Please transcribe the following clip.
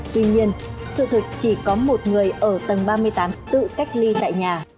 tuy nhiên sự thực chỉ có một người ở tầng ba mươi tám tự cách ly